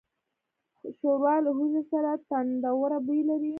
ښوروا له هوږې سره تندهوره بوی لري.